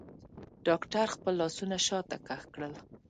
ډاکتر خپل لاسونه شاته کښ کړل.